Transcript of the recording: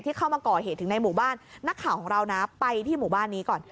เข้ามาก่อเหตุถึงในหมู่บ้านนักข่าวของเรานะไปที่หมู่บ้านนี้ก่อน